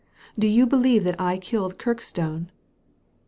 Do you believe that I killed Kirkstone?"